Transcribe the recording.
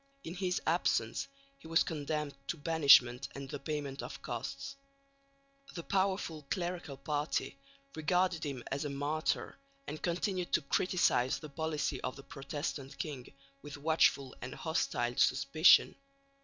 In his absence he was condemned to banishment and the payment of costs. The powerful clerical party regarded him as a martyr and continued to criticise the policy of the Protestant king with watchful and hostile suspicion.